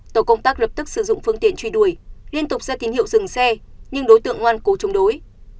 tổ công tác lập tức sử dụng phương tiện truy đuổi liên tục ra tín hiệu dừng xe nhưng đối tượng ngoan cố chống đối